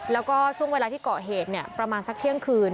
แล้วก็ช่วงเวลาที่เกาะเหตุประมาณสักเที่ยงคืน